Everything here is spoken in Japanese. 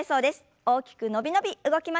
大きく伸び伸び動きましょう。